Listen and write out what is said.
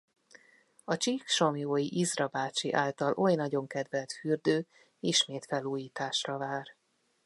Az csíksomlyói Izra bácsi által oly nagyon kedvelt fürdő ismét felújításra vár.